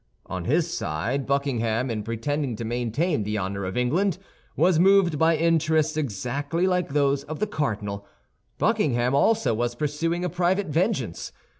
On his side Buckingham, in pretending to maintain the honor of England, was moved by interests exactly like those of the cardinal. Buckingham also was pursuing a private vengeance.